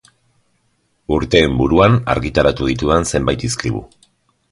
Urteen buruan argitaratu ditudan zenbait izkribu.